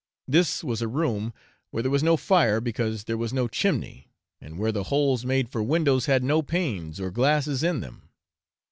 This was a room where there was no fire because there was no chimney, and where the holes made for windows had no panes or glasses in them.